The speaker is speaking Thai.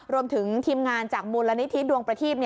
รวมถึงทีมงานจากมูลนิธิดวงประทีป